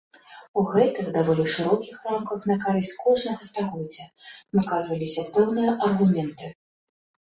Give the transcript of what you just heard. У гэтых, даволі шырокіх, рамках на карысць кожнага стагоддзя выказваліся пэўныя аргументы.